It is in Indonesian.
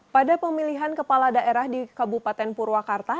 pada pemilihan kepala daerah di kabupaten purwakarta